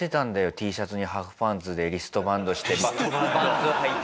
ＴシャツにハーフパンツでリストバンドしてＶＡＮＳ履いて。